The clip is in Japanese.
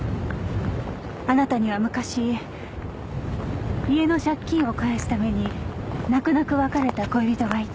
あなたには昔家の借金を返すために泣く泣く別れた恋人がいた。